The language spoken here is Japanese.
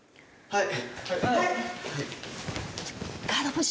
はい！